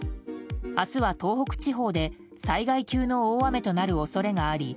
明日は、東北地方で災害級の大雨となる恐れがあり